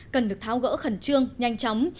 cần được tháo gỡ khẩn trương nhanh chóng